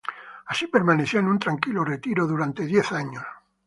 Así permaneció en un tranquilo retiro por diez años.